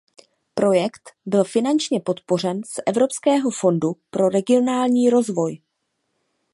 Projekt byl finančně podpořen z Evropského fondu pro regionální rozvoj.